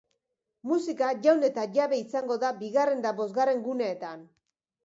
Musika jaun ta jabe izango da bigarren eta bosgarren guneetan.